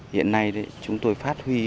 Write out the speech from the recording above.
hiện nay chúng tôi phát huy